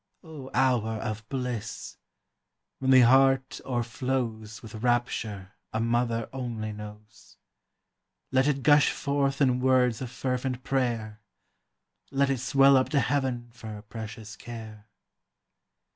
Oh, hour of bliss! when the heart o'erflows With rapture a mother only knows. Let it gush forth in words of fervent prayer; Let it swell up to Heaven for her precious care.